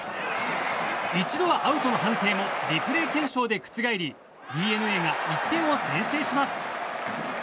一度はアウトの判定もリプレー検証で覆りＤｅＮＡが１点を先制します。